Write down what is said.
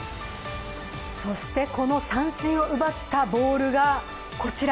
そしてこの三振を奪ったボールがこちら。